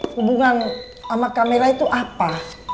hubungan sama kamera itu apa